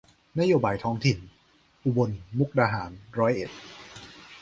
นโยบายท้องถิ่น อุบลมุกดาหารร้อยเอ็ด